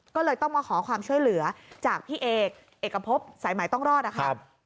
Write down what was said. ก็เลยต้องมาขอความช่วยเหลือจากพี่เอกเอกพบสายใหม่ต้องรอดนะครับ